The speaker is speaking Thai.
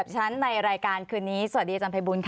สวัสดีครับ